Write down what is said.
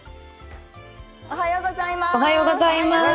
おはようございます。